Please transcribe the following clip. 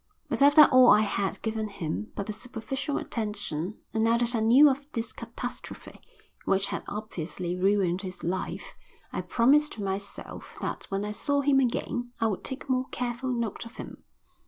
But after all I had given him but a superficial attention, and now that I knew of this catastrophe, which had obviously ruined his life, I promised myself that when I saw him again I would take more careful note of him.